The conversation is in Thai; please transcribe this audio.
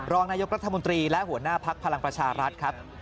รองนายกรัฐมนตรีและหัวหน้าภักดิ์พลังประชารัฐครับ